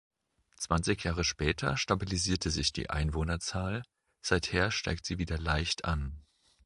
Zwanzig Jahre später stabilisierte sich die Einwohnerzahl, seither steigt sie wieder leicht an.